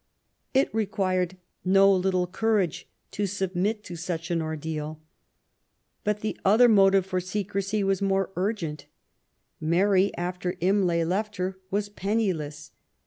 It required no little <;ourage to submit to such an ordeal. But the other motive for secrecy was more urgent. Mary, after Imlay left her, was penniless.